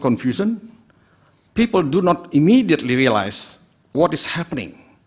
orang tidak langsung menyadari apa yang terjadi